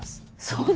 そう。